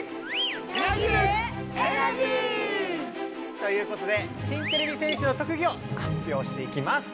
みなぎるエナジー！ということで新てれび戦士の特技を発表していきます。